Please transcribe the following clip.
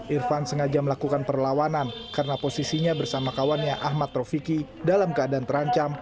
irfan sengaja melakukan perlawanan karena posisinya bersama kawannya ahmad rofiki dalam keadaan terancam